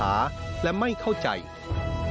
การพบกันในวันนี้ปิดท้ายด้วยการร่วมรับประทานอาหารค่ำร่วมกัน